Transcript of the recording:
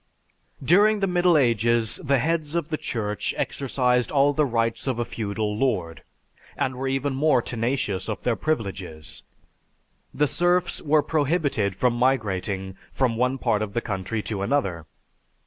During the Middle Ages the heads of the Church exercised all the rights of a feudal lord, and were even more tenacious of their privileges. The serfs were prohibited from migrating from one part of the country to another.